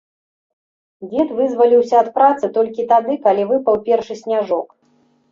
Дзед вызваліўся ад працы толькі тады, калі выпаў першы сняжок.